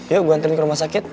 yuk gue anterin ke rumah sakit